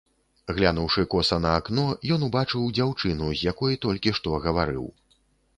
Глянуўшы коса на акно, ён убачыў дзяўчыну, з якой толькі што гаварыў.